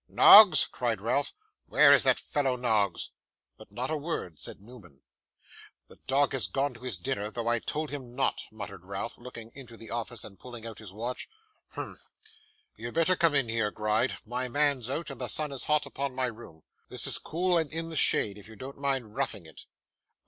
'Noggs!' cried Ralph, 'where is that fellow, Noggs?' But not a word said Newman. 'The dog has gone to his dinner, though I told him not,' muttered Ralph, looking into the office, and pulling out his watch. 'Humph!' You had better come in here, Gride. My man's out, and the sun is hot upon my room. This is cool and in the shade, if you don't mind roughing it.